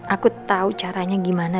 aku tau caranya gimana